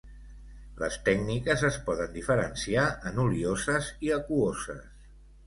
Les tècniques es poden diferenciar en olioses i aquoses.